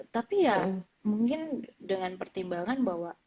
tapi ya mungkin dengan pertimbangan bahwa